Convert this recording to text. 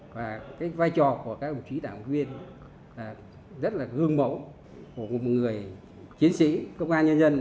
và cái vai trò của các vị trí đảng quyền là rất là gương mẫu của một người chiến sĩ công an nhân dân